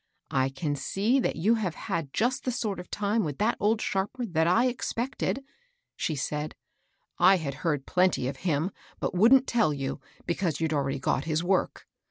" I can see that you have had just the sort of time with that old sliarper that I expected," 102 MABEL BOSS. she said. ^^I had heard plenty of him, but wouldn't tell you, because you'd already got his work.